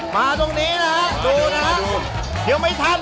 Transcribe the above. มาตรงนี้นะครับดูนะครับ